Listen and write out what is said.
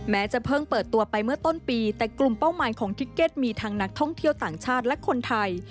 จะเพิ่งเปิดตัวไปเมื่อต้นปีแต่กลุ่มเป้าหมายของทิเก็ตมีทั้งนักท่องเที่ยวต่างชาติและคนไทย